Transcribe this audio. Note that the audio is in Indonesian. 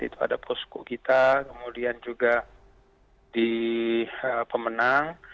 itu ada posko kita kemudian juga di pemenang